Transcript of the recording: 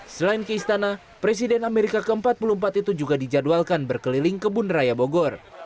selain ke istana presiden amerika ke empat puluh empat itu juga dijadwalkan berkeliling kebun raya bogor